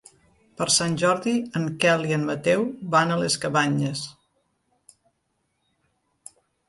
Per Sant Jordi en Quel i en Mateu van a les Cabanyes.